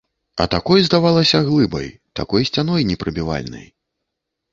А такой здавалася глыбай, такой сцяной непрабівальнай.